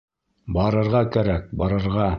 Барырға кәрәк, барырға.